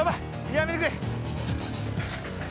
やめてくれ。